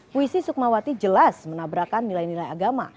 puisi soekmawati jelas menabrakkan nilai nilai agama